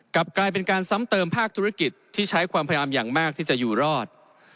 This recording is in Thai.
กลับกลายเป็นการซ้ำเติมภาคธุรกิจที่ใช้ความพยายามอย่างมากที่จะอยู่รอด